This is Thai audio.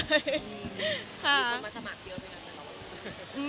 ค่ะมีคนมาสมัครเยอะไปกันไหม